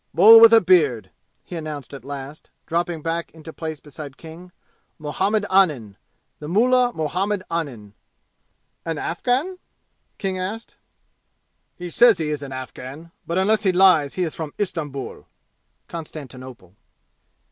"Bull with a beard!" he announced at last, dropping back into place beside King. "Muhammad Anim. The mullah Muhammad Anim." "An Afghan?" King asked. "He says he is an Afghan. But unless he lies he is from Ishtamboul (Constantinople)."